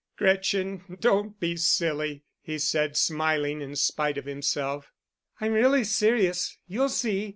"Gretchen, don't be silly," he said, smiling in spite of himself. "I'm really serious—you'll see."